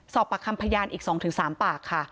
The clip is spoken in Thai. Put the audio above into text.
ประคำพยานอีก๒๓ปากค่ะ